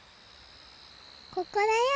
ここだよ！